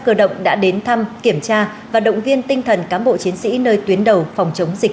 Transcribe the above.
cơ động đã đến thăm kiểm tra và động viên tinh thần cán bộ chiến sĩ nơi tuyến đầu phòng chống dịch